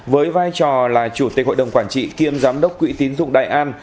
với vai trò là chủ tịch hội đồng quản trị kiêm giám đốc quỹ tín dụng đại an